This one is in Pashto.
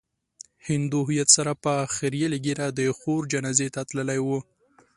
هندو هويت سره په خريلې ږيره د خور جنازې ته تللی و.